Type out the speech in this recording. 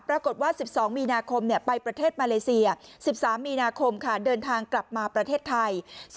ปรากฏว่า๑๒มีนาคมไปประเทศมาเลเซีย๑๓มีนาคมค่ะเดินทางกลับมาประเทศไทย